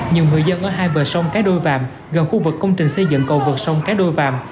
nhiều người dân ở hai bờ sông cái đôi vạm gần khu vực công trình xây dựng cầu vật sông cái đôi vạm